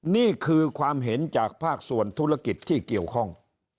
นี่คือความเห็นจากภาคส่วนธุรกิจที่เกี่ยวข้อง